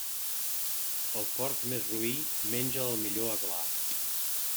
El porc més roí menja el millor aglà.